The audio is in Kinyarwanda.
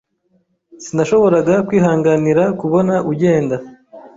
Sinashoboraga kwihanganira kubona ugenda.